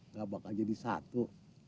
gak bakal jadi satu